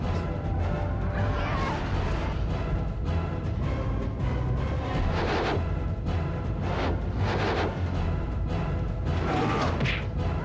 mereka bisa mengurung kita